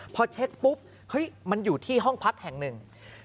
พอเช็คปุ๊บเฮ้ยมันอยู่ที่ห้องพักแห่งหนึ่ง